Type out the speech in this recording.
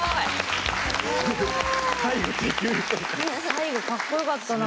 最後かっこよかったな。